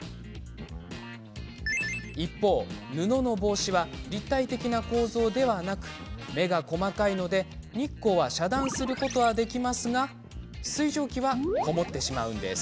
一方、布の帽子は立体的な構造ではなく目が細かいので日光は遮断することはできますが水蒸気は籠もってしまうんです。